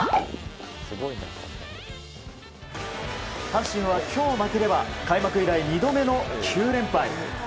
阪神は今日負ければ開幕以来２度目の９連敗。